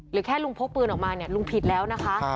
แค่ลุงพกปืนออกมาเนี่ยลุงผิดแล้วนะคะ